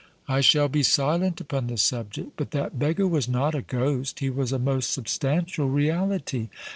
"I shall be silent upon the subject; but that beggar was not a ghost; he was a most substantial reality.